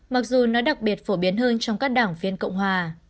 mặc dù nó đặc biệt phổ biến hơn trong các đảng viên cộng hòa